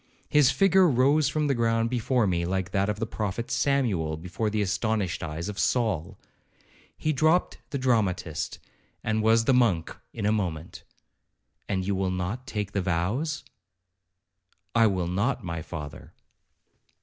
His figure rose from the ground before me like that of the Prophet Samuel before the astonished eyes of Saul. He dropt the dramatist, and was the monk in a moment. 'And you will not take the vows?' 'I will not, my father.'